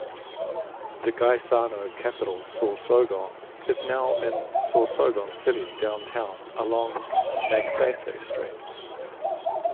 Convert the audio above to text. The Gaisano Capital Sorsogon is now open in Sorsogon City downtown along Magsaysay Street.